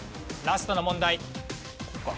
ラストの問題。